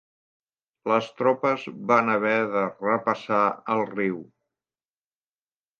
Les tropes van haver de repassar el riu.